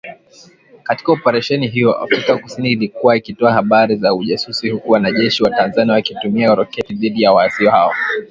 Katika Oparesheni hiyo, Afrika kusini ilikuwa ikitoa habari za ujasusi huku wanajeshi wa Tanzania wakitumia roketi dhidi ya waasi hao.